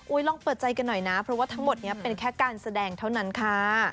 ลองเปิดใจกันหน่อยนะเพราะว่าทั้งหมดนี้เป็นแค่การแสดงเท่านั้นค่ะ